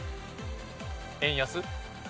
円安？